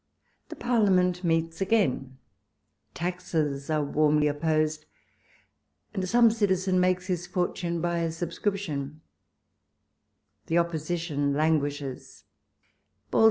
The Parliament meets again ; taxes are warmly op posed ; and some citizen makes his fortune by a subscription The opposition languishes ; balls D 27 98 WALPOLE S LETTERS.